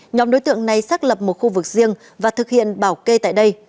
nhóm đối tượng này xác lập một khu vực riêng và thực hiện bảo kê tại đây